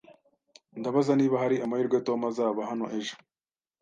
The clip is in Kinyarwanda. Ndabaza niba hari amahirwe Tom azaba hano ejo